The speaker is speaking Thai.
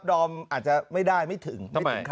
ดอมอาจจะไม่ได้ไม่ถึง